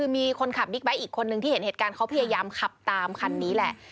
มีคนขับบิ๊กไบท์อีกคนนึงที่เห็นเหตุการณ์เขาพยายามขับตามคันนี้แหละ